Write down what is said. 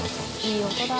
いい音だ。